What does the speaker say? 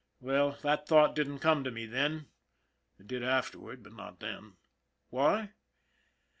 Well, that thought didn't come to me then, it did afterward, but not then. Why